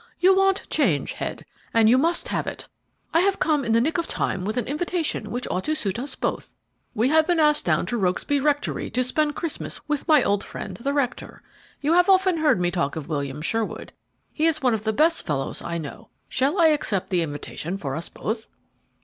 "You want change, Head, and you must have it. I have come in the nick of time with an invitation which ought to suit us both. We have been asked down to Rokesby Rectory to spend Christmas with my old friend, the rector. You have often heard me talk of William Sherwood. He is one of the best fellows I know. Shall I accept the invitation for us both?"